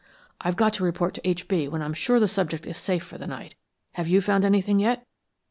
I've got to report to H. B. when I'm sure the subject is safe for the night. Have you found anything yet?"